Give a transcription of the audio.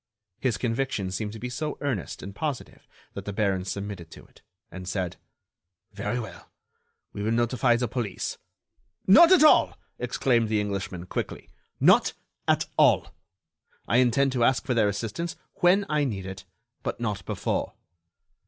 His conviction seemed to be so earnest and positive that the baron submitted to it, and said: "Very well, we will notify the police——" "Not at all!" exclaimed the Englishman, quickly, "not at all! I intend to ask for their assistance when I need it—but not before."